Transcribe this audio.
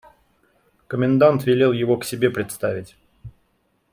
Комендант велел его к себе представить.